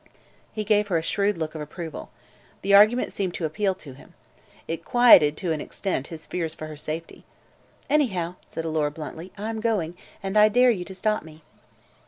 He gave her a shrewd look of approval. The argument seemed to appeal to him. It quieted, to an extent, his fears for her safety. "Anyhow," said Alora bluntly, "I'm going, and I dare you to stop me."